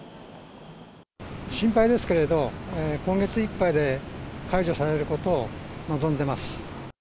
心配ですけれど、今月いっぱいで解除されることを望んでます。